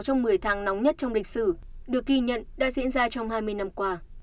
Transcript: trong một mươi tháng nóng nhất trong lịch sử được ghi nhận đã diễn ra trong hai mươi năm qua